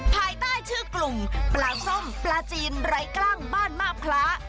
ภายใต้ชื่อกลุ่มปลาส้มปลาจีนไร้กล้างบ้านมาบคล้า